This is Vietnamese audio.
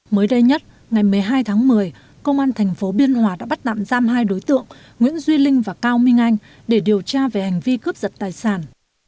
mới đây nhất ngày một mươi hai tháng một mươi công an thành phố biên hòa đã bắt đạm giam hai đối tượng nguyễn duy linh và cao minh anh để điều tra về hành vi cướp giật tài sản